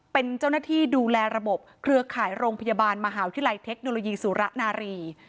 เป็นเจ้าหน้าที่ดูแลระบบเครือข่ายโรงพยาบาลมหาวิทยาลัยเทคโนโลยีสุระนารี